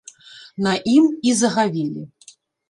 На ім і загавелі.